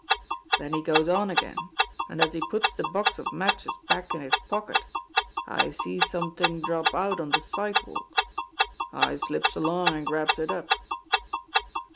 Den he goes on again, an' as he puts de box of matches back in his pocket I sees somet'ing drop out on de sidewalk. I slips along an' grabs it up."